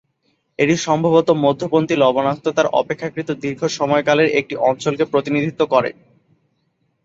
এটি সম্ভবত মধ্যপন্থী লবণাক্ততার অপেক্ষাকৃত দীর্ঘ সময়কালের একটি অঞ্চলকে প্রতিনিধিত্ব করে।